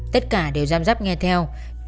tất cả đều giam giáp nghe theo